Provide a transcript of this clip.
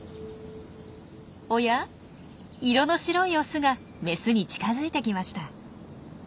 おや色の白いオスがメスに近づいてきました。